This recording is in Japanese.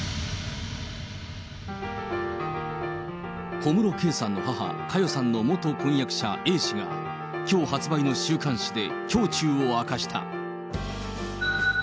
小室圭さんの母、佳代さんの元婚約者Ａ氏が、きょう発売の週刊誌で胸中を明かした。